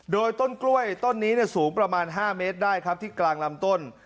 โดยต้นกล้วยต้นนี้สูงประมาณ๕เมตรได้ครับที่กลางลำต้น